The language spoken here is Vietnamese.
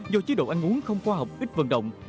do chế độ ăn uống không quá học ít vận động